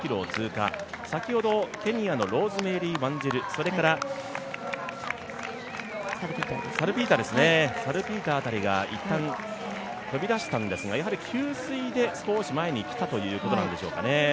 先ほどケニアのローズメリー・ワンジル、それからサルピーター辺りがいったん、飛び出したんですがやはり給水で少し前に来たというところなんでしょうかね。